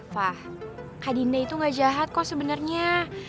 fah kak dinda itu gak jahat kok sebenernya